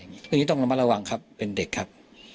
อย่างนี้ต้องระมัดระวังครับเป็นเด็กครับ